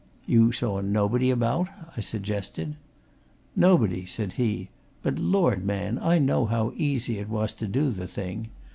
"You saw nobody about?" I suggested. "Nobody," said he. "But Lord, man, I know how easy it was to do the thing!